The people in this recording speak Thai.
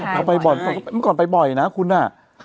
เมื่อก่อนไปบ่อยนะคุณอ่ะ